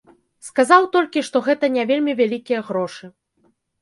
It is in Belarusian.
Сказаў толькі, што гэта не вельмі вялікія грошы.